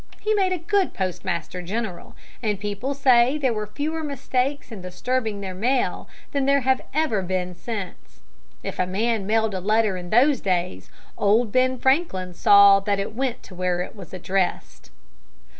He made a good Postmaster General, and people say there were fewer mistakes in distributing their mail then than there have ever been since. If a man mailed a letter in those days, old Ben Franklin saw that it went to where it was addressed.